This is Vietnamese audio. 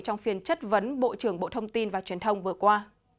trong phiên chất vấn bộ trưởng bộ thông tin và truyền thông vừa qua